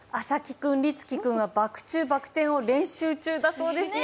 君、りつき君はバク転バク宙を練習中だそうですよ。